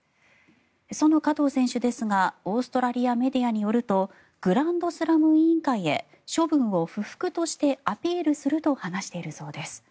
その加藤選手ですがオーストラリアメディアによるとグランドスラム委員会へ処分を不服としてアピールすると話しているそうです。